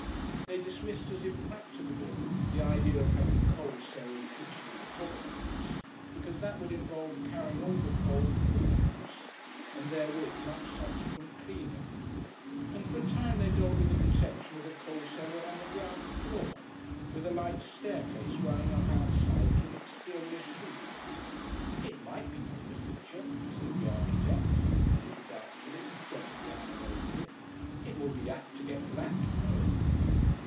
They dismissed as impracticable the idea of having coal cellar and kitchen at the top of the house, because that would involve carrying all the coal through the house, and therewith much subsequent cleaning, and for a time they dealt with a conception of a coal cellar on the ground floor with a light staircase running up outside to an exterior shoot. "It might be made a Feature," said the architect, a little doubtfully, jotting down a note of it. "It would be apt to get black, you know."